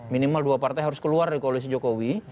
minimal dua partai harus keluar dari koalisi jokowi